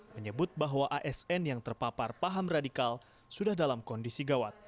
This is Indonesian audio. menyebut bahwa asn yang terpapar paham radikal sudah dalam kondisi gawat